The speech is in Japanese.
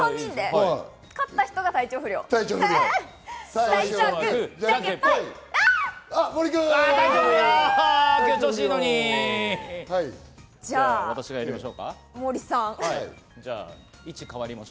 勝った人が体調不良ですね。